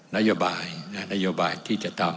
นโยบายที่จะทำ